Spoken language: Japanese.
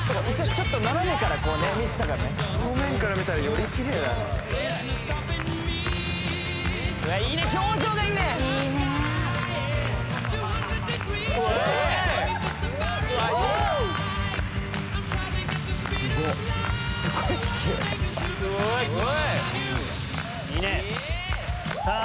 ちょっと斜めから見てたから・正面から見たらよりきれいだねいいね表情がいいねいいねさあ